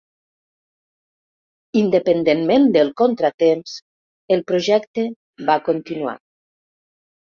Independentment del contratemps, el projecte va continuar.